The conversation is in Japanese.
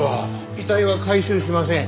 遺体は回収しません。